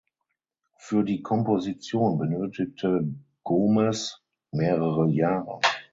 Für die Komposition benötigte Gomes mehrere Jahre.